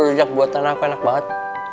rujak buatan aku enak banget